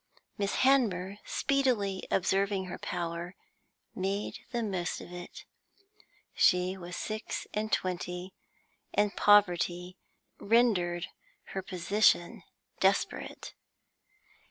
Miss Hanmer, speedily observing her power, made the most of it; she was six and twenty, and poverty rendered her position desperate.